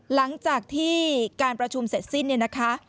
หลังจากที่การประชุมเสร็จสิ้นเนี่ยนะคะ